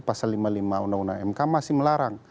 pasal lima puluh lima undang undang mk masih melarang